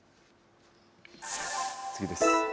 次です。